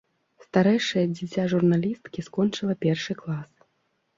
Старэйшае дзіця журналісткі скончыла першы клас.